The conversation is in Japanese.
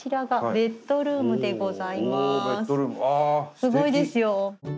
すごいですよ。